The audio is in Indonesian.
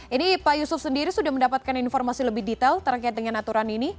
ini pak yusuf sendiri sudah mendapatkan informasi lebih detail terkait dengan aturan ini